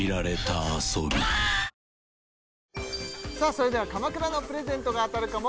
それでは鎌倉のプレゼントが当たるかも？